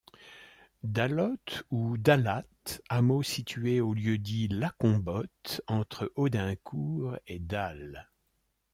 Dalote ou Dalate, hameau situé au lieu-dit la Combotte entre Audincourt et Dasle.